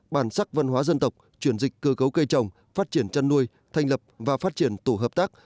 bản sắc văn hóa dân tộc chuyển dịch cơ cấu cây trồng phát triển chăn nuôi thành lập và phát triển tổ hợp tác